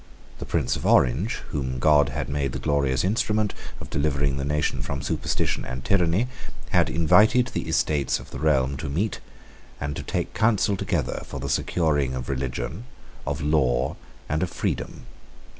The Prince of Orange, whom God had made the glorious instrument of delivering the nation from superstition and tyranny, had invited the Estates of the Realm to meet and to take counsel together for the securing of religion, of law, and of freedom.